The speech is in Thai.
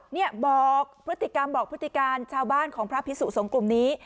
เนี่ยบอกพฤติกรรมบอกพฤติการชาวบ้านของพระพิสุสงฆ์กลุ่มนี้